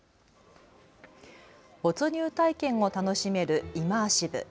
没入体験を楽しめるイマーシブ。